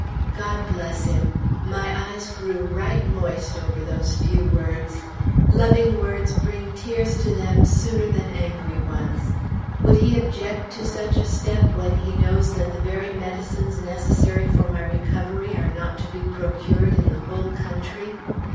God bless him! My eyes grew right moist over those few words. Loving words bring tears to them sooner than angry ones. Would he object to such a step when he knows that the very medicines necessary for my recovery are not to be procured in the whole country?